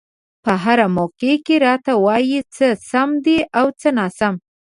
په هره موقع کې راته وايي څه سم دي او څه ناسم.